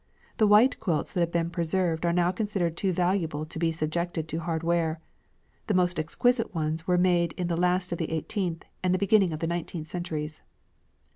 The white quilts that have been preserved are now considered too valuable to be subjected to hard wear. The most exquisite ones were made in the last of the eighteenth and the beginning of the nineteenth centuries.